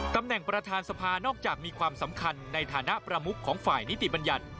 ตำแหน่งประธานสภานอกจากมีความสำคัญในฐานะประมุขของฝ่ายนิติบัญญัติ